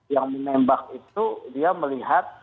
yang menembak itu dia melihat